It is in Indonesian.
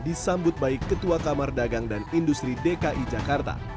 disambut baik ketua kamar dagang dan industri dki jakarta